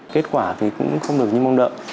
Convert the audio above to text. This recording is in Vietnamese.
kết quả thì cũng không được như mong đợi